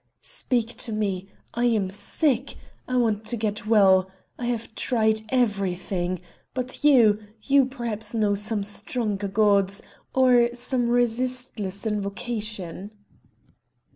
"Speak to me! I am sick! I want to get well! I have tried everything! But you, you perhaps know some stronger gods, or some resistless invocation?"